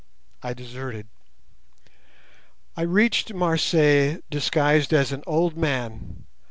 I deserted. "I reached Marseilles disguised as an old man.